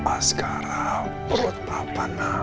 asgara perut papa nak